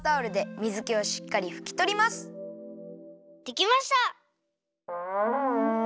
できました！